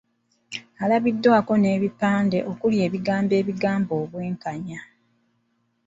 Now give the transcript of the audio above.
Alabiddwako n’ebipande okuli ebigambo ebibanja obwenkanya.